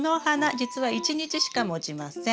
じつは１日しかもちません。